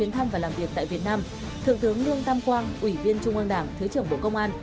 thượng tướng lương tam quang ủy viên trung an đảng thứ trưởng bộ công an